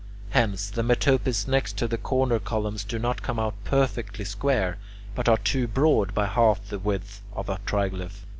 Hence the metopes next to the corner columns do not come out perfectly square, but are too broad by half the width of a triglyph.